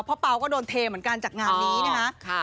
เพราะเป๋าก็โดนเทเหมือนกันจากงานนี้นะฮะ